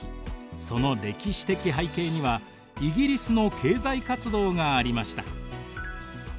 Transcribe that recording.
その歴史的背景にはイギリスの経済活動がありました。